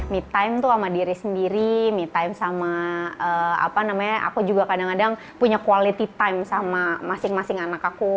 me time tuh sama diri sendiri me time sama apa namanya aku juga kadang kadang punya quality time sama masing masing anak aku